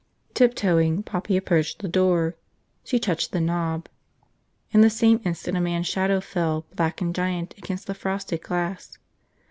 Tiptoeing, Poppy approached the door. She touched the knob. In the same instant a man's shadow fell, black and giant, against the frosted glass.